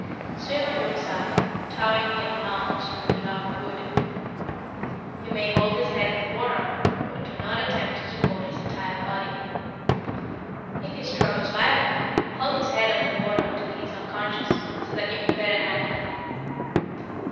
Swim on your side, towing him along as you would a log of wood. You may hold his head with one arm, but do not attempt to support his entire body. If he struggles violently, hold his head under water until he is unconscious, so that you can better handle him.